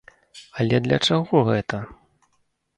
Але для чаго гэта?